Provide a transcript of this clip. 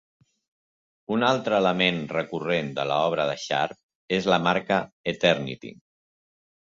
Un altre element recurrent de l'obra de Sharp és la marca "Eternity".